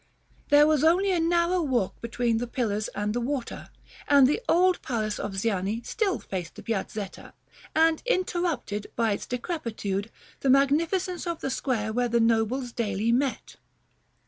There was only a narrow walk between the pillars and the water; and the old palace of Ziani still faced the Piazzetta, and interrupted, by its decrepitude, the magnificence of the square where the nobles daily met.